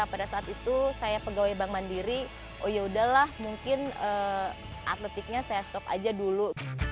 pada saat itu saya pegawai bank mandiri oh yaudahlah mungkin atletiknya saya stop aja dulu